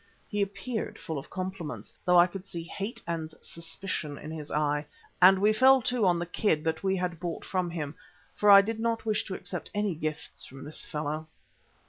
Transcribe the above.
He appeared full of compliments, though I could see hate and suspicion in his eye, and we fell to on the kid that we had bought from him, for I did not wish to accept any gifts from this fellow.